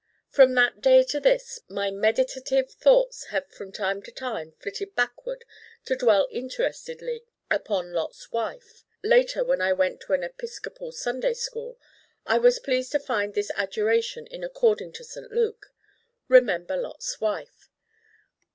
From that day to this my meditative thoughts have from time to time flitted backward to dwell interestedly upon Lot's Wife. Later when I went to an Episcopal Sunday school I was pleased to find this adjuration in according to St. Luke: 'Remember Lot's Wife.